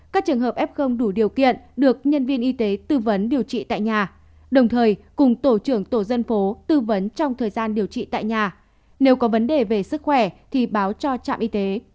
các trường hợp f đủ điều kiện được nhân viên y tế tư vấn điều trị tại nhà đồng thời cùng tổ trưởng tổ dân phố tư vấn trong thời gian điều trị tại nhà nếu có vấn đề về sức khỏe thì báo cho trạm y tế